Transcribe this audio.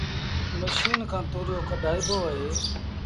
مشيٚن کآݩ تُوريو ڪڍآئيبو اهي